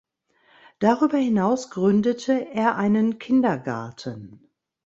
Darüber hinaus gründete er einen Kindergarten.